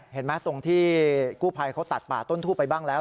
เห็นไหมตรงที่กู้ภัยเขาตัดป่าต้นทูบไปบ้างแล้ว